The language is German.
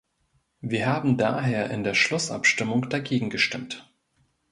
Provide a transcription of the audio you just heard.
Wir haben daher in der Schlussabstimmung dagegen gestimmt.